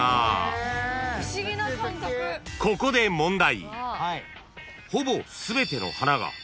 ［ここで問題］